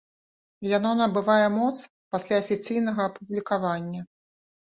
Яно набывае моц пасля афіцыйнага апублікавання.